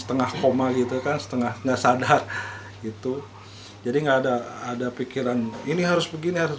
setengah koma gitu kan setengah nggak sadar itu jadi enggak ada ada pikiran ini harus begini harus